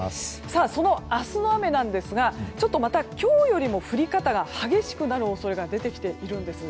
その明日の雨なんですがちょっとまた今日よりも降り方が激しくなる恐れが出てきています。